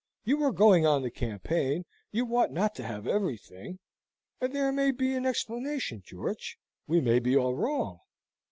You are going on the campaign, you ought not to have everything and there may be an explanation, George. We may be all wrong."